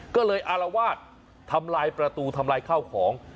ก็เลยอารวาสทำลายประตูทำลายข้าวของ